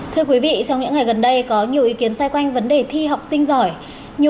thưa quý vị trong những ngày gần đây có nhiều ý kiến xoay quanh vấn đề thi học sinh giỏi